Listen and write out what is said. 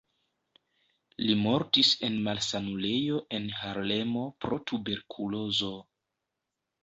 Li mortis en malsanulejo en Harlemo pro tuberkulozo.